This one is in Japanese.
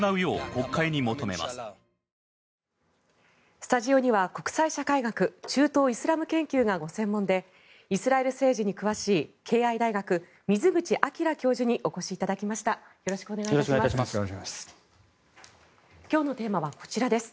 スタジオには国際社会学中東イスラム研究がご専門でイスラエル政治に詳しい敬愛大学、水口章教授にお越しいただきました。